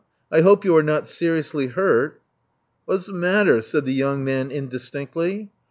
I hope you are not seriously hurt." Wha's matter?" said the j^oung man indistinctly.